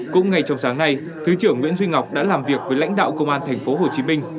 cũng ngay trong sáng nay thứ trưởng nguyễn duy ngọc đã làm việc với lãnh đạo công an tp hcm